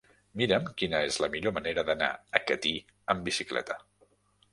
Mira'm quina és la millor manera d'anar a Catí amb bicicleta.